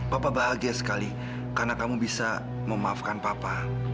bapak bahagia sekali karena kamu bisa memaafkan papa